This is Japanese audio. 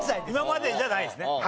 今までじゃないですね。